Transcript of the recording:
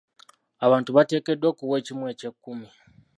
Abantu bateekeddwa okuwa ekimu eky'ekkumi.